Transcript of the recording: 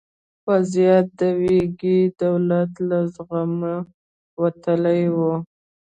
وضعیت د ویګي دولت له زغمه وتلی و.